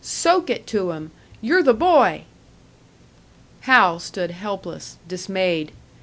Soak it to 'em! You're the boy!" Hal stood helpless, dismayed.